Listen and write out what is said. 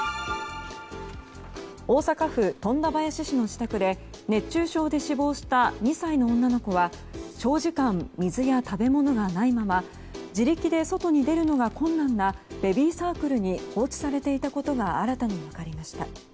大阪府富田林市の自宅で熱中症で死亡した２歳の女の子は長時間水や食べ物がないまま自力で外に出るのが困難なベビーサークルに放置されていたことが新たに分かりました。